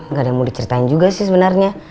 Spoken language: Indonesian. nggak ada yang mau diceritain juga sih sebenarnya